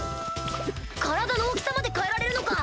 体の大きさまで変えられるのか！